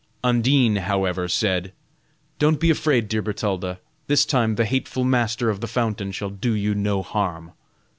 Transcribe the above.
Undine, however, said: "Don't be afraid, dear Bertalda, this time the hateful master of the fountain shall do you no harm."